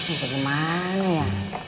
ntar gimana ya